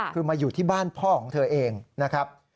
คือมาอยู่ที่บ้านพ่อของเธอเองนะครับ